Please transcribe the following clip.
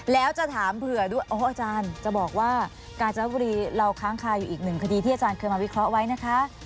แล้วจะถามเผื่อด้วยอ๋ออาจารย์จะบอกว่ากาญจนบุรีเราค้างคาอยู่อีกหนึ่งคดีที่อาจารย์เคยมาวิเคราะห์ไว้นะคะ